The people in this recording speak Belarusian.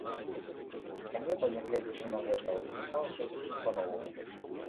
А неба, нягледзячы на гэта, усміхалася зусім па-новаму.